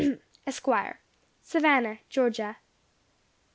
H , Esquire, Savannah, Georgia.